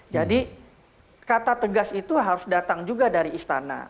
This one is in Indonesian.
jadi kata tegas itu harus datang juga dari istana